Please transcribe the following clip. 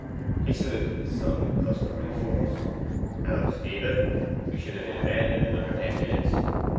He saluted his son with customary force. 'Hallo, Stephen! We should ha' been in bed in another ten minutes.